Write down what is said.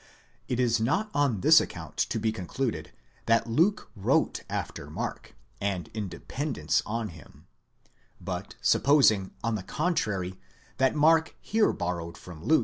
It is not on this account to be concluded that Luke wrote after Mark, and in dependence on him; but supposing, on the * Compare Fritzsche, Comm.